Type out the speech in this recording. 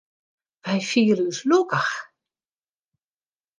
Wy fiele ús lokkich.